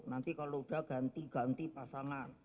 nanti kalau udah ganti ganti pasangan